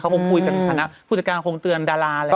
เขาคงคุยกับพนักผู้จัดการคงเตือนดาราแหละ